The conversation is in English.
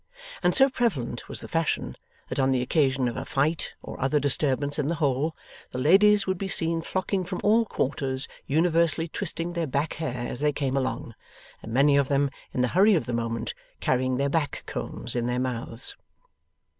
And so prevalent was the fashion, that on the occasion of a fight or other disturbance in the Hole, the ladies would be seen flocking from all quarters universally twisting their back hair as they came along, and many of them, in the hurry of the moment, carrying their back combs in their mouths.